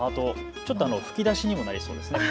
ちょっと吹き出しにもなりそうですね。